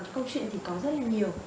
câu chuyện thì có rất là nhiều